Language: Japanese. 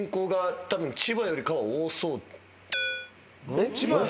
「千葉よりかは多そう」？